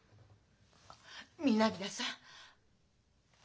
南田さん。